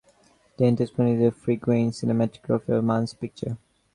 Dante Spinotti is a frequent cinematographer of Mann's pictures.